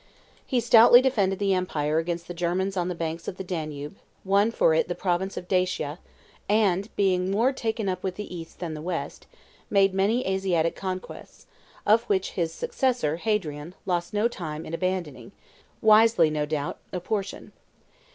He stoutly defended the empire against the Germans on the banks of the Danube, won for it the province of Dacia, and, being more taken up with the East than the West, made many Asiatic conquests, of which his successor, Hadrian, lost no time in abandoning, wisely no doubt, a portion.